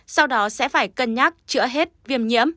sau đó sẽ phải cân nhắc chữa hết viêm nhiễm